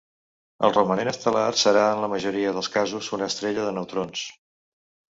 El romanent estel·lar serà en la majoria dels casos una estrella de neutrons.